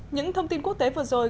những thông tin quốc tế vừa rồi